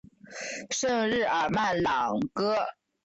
圣日尔曼朗戈。